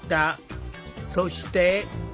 そして。